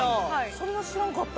それは知らんかった。